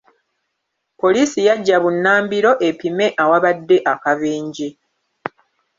Poliisi yajja bunnambiro epime awabadde akabenje.